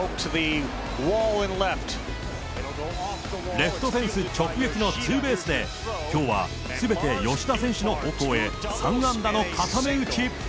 レフトフェンス直撃のツーベースで、きょうはすべて吉田選手の方向へ３安打の固め打ち。